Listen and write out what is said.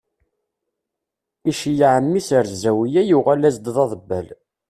Iceyyeɛ mmi-s ar zawiya, yuɣal-as-d d aḍebbal.